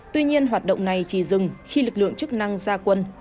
tuy nhiên hoạt động này chỉ dừng khi lực lượng chức năng ra quân